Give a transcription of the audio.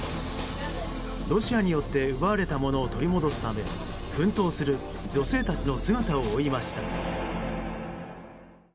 ロシアによって奪われたものを取り戻すため奮闘する女性たちの姿を追いました。